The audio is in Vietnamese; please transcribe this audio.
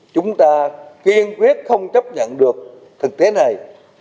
chúng ta kiên quyết không chấp nhận được thực tế này